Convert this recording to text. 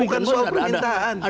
bukan semua permintaan